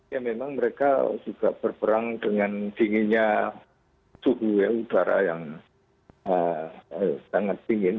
ya memang mereka juga berperang dengan dinginnya suhu ya udara yang sangat dingin